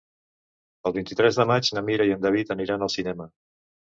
El vint-i-tres de maig na Mira i en David aniran al cinema.